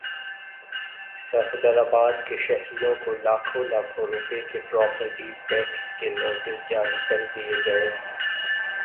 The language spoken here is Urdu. صفدرآباد کے شہریوں کو لاکھوں لاکھوں روپے کے پراپرٹی ٹیکس کے نوٹس جاری کردیئے گئے